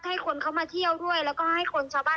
ให้คนเขามาเที่ยวด้วยแล้วก็ให้คนชาวบ้าน